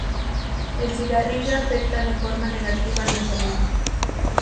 El cigarrillo afecta de forma negativa a la salud.